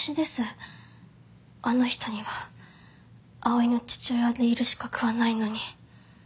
あの人には碧唯の父親でいる資格はないのに。